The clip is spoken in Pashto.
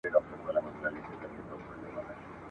د دوو وروڼو تر مابین جوړه جگړه وه ..